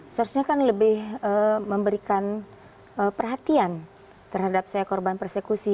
seharusnya kan lebih memberikan perhatian terhadap saya korban persekusi